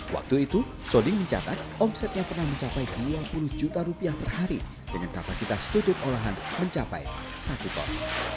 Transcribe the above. waktu itu soding mencatat omsetnya pernah mencapai dua puluh juta rupiah per hari dengan kapasitas tutup olahan mencapai satu ton